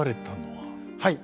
はい。